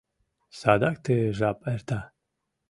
Садак ты жап эрта.